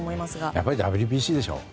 やっぱりＷＢＣでしょう。